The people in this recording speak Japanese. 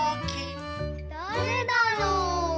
だれだろう？